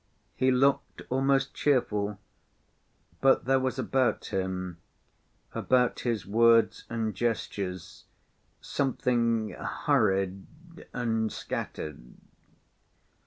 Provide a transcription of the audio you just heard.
He looked almost cheerful, but there was about him, about his words and gestures, something hurried and scattered.